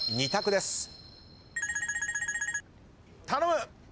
２択です。